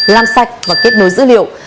lan sạch và kết nối dữ liệu